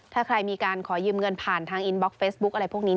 ถ้าใครมีการขอยืมเงินผ่านทางอินบล็กเฟซบุ๊คอะไรพวกนี้